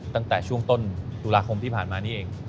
ตั้งแต่ช่วงต้นตุลาคมที่ผ่านมานี่เอง